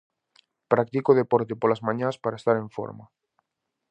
Practico deporte polas mañás para estar en forma.